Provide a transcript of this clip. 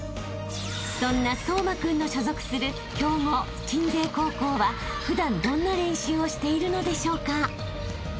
［そんな颯真君の所属する強豪鎮西高校は普段どんな練習をしているのでしょうか？］